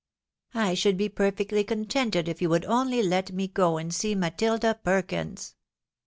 I should be perfectly contented if you would only let me go and see Matilda Perkins."